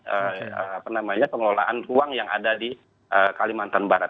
apa namanya pengelolaan ruang yang ada di kalimantan barat